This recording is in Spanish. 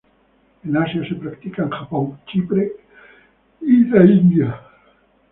En Asia, se practica en Japón, Chipre, e India.